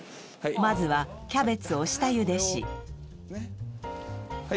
まずはキャベツを下ゆでしはい